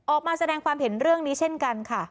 ออกมาแสดงความเห็นเรื่องนี้เช่นกันค่ะ